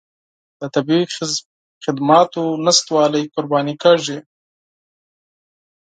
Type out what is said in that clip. د طبي خدماتو نشتوالي قرباني کېږي.